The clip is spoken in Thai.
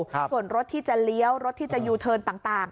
ส่วนรถที่จะเลี้ยวรถที่จะยูเทิร์นต่าง